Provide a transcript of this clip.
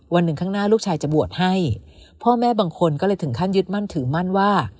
หนึ่งข้างหน้าลูกชายจะบวชให้พ่อแม่บางคนก็เลยถึงขั้นยึดมั่นถือมั่นว่า